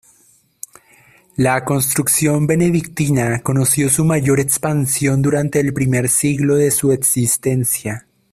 La construcción benedictina conoció su mayor expansión durante el primer siglo de su existencia.